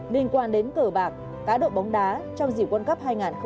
liên quan đến cờ bạc cá độ bóng đá trong dịp world cup hai nghìn hai mươi hai